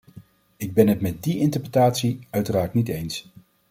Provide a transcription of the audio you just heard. Ik ben het met die interpretatie uiteraard niet eens.